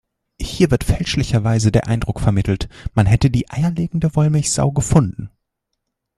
Hier wird fälschlicherweise der Eindruck vermittelt, man hätte die eierlegende Wollmilchsau gefunden.